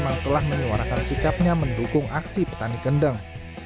superman is dead memang telah menyuarakan sikapnya mendukung aksi petani kendang